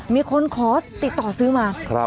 มีคนขอติดต่อซื้อมา